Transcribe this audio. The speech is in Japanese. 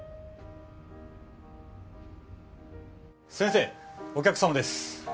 先生お客様です。